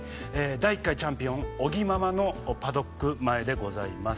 第１回チャンピオンオギママのパドック前でございます。